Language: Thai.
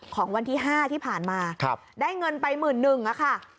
ของวันที่ห้าที่ผ่านมาครับได้เงินไปหมื่นหนึ่งอ่ะค่ะ